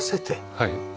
はい。